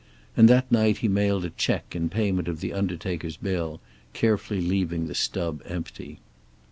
And that night he mailed a check in payment of the undertaker's bill, carefully leaving the stub empty.